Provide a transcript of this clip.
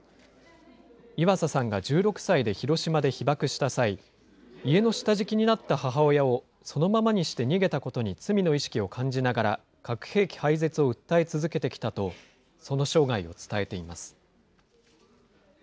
岩佐さんが１６歳で広島で被爆した際、家の下敷きになった母親を、そのままにして逃げたことに罪の意識を感じながら、核兵器廃絶を訴え続けてきたと、その生涯を伝えています。